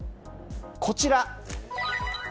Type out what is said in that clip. こちら。